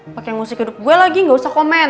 pake musik hidup gue lagi gak usah komen